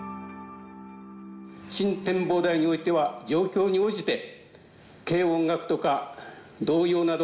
新展望台においては状況に応じて軽音楽とか童謡などを流せるように。